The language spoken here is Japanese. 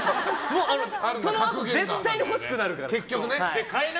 そのあと絶対に欲しくなるから。